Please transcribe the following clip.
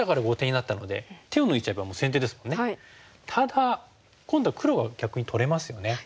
ただ今度は黒が逆に取れますよね。